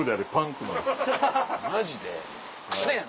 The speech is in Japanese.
マジで？